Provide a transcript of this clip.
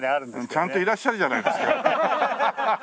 ちゃんといらっしゃるじゃないですか。